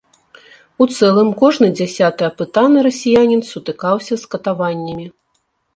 У цэлым кожны дзясяты апытаны расіянін сутыкаўся з катаваннямі.